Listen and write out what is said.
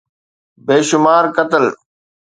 بيشمار قتل.